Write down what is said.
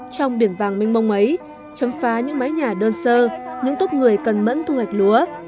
trong biển vàng minh mông ấy chấm phá những mái nhà đơn sơ những túc người cần mẫn thu hoạch lúa